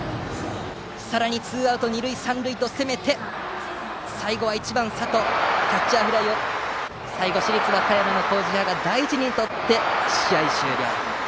さらにツーアウト、二塁三塁と攻めて最後は１番、佐藤のキャッチャーフライを市立和歌山の麹家が大事にとって試合終了。